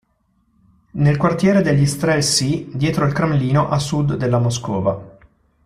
Nel quartiere degli strel'cy, dietro il Cremlino, a sud della Moscova.